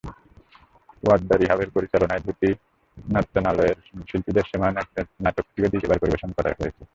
Wardah রিহাবের পরিচালনায় ধৃতি নর্তনালয়ের শিল্পীদের শ্যামা নৃত্যনাট্যটিও দ্বিতীয়বার পরিবেশনার কথা রয়েছে।